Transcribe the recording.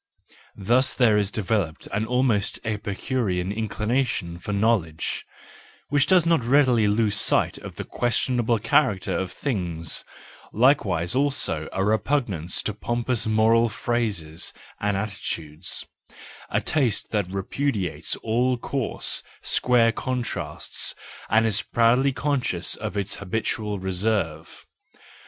Thus there is developed an almost Epicurean inclination for knowledge, which does not readily lose sight of the questionable character of things; likewise also a repugnance to pompous moral phrases and attitudes, a taste that repudiates all coarse, square contrasts, and is proudly conscious of its habitual 342 THE JOYFUL WISDOM, V reserve.